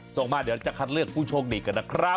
ส่งมาเดี๋ยวจะคัดเลือกผู้โชคดีกันนะครับ